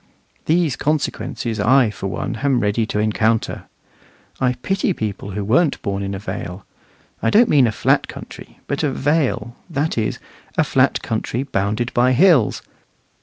These consequences I, for one, am ready to encounter. I pity people who weren't born in a vale. I don't mean a flat country; but a vale that is, a flat country bounded by hills.